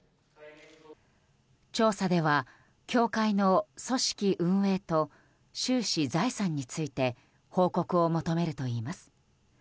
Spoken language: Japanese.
調査では、教会の組織・運営と収支・財産について報告を求めるといいます。